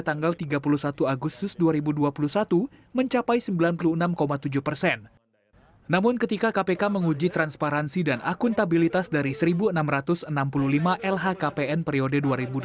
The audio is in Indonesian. namun ketika kpk menguji transparansi dan akuntabilitas dari seribu enam ratus enam puluh lima lhkpn periode dua ribu delapan belas dua ribu dua